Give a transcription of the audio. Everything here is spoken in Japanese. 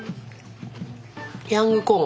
ヤングコーン。